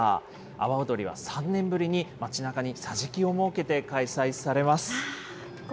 阿波おどりは３年ぶりに町なかに桟敷を設けて開催されます。